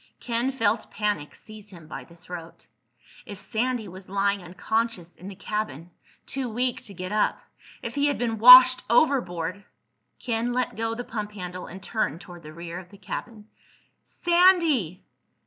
Ken felt panic seize him by the throat. If Sandy was lying unconscious in the cabin, too weak to get up—if he had been washed overboard—! Ken let go the pump handle and turned toward the rear of the cabin. "Sandy!